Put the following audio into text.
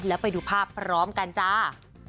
แล้วไปดูภาพพร้อมกันจ้า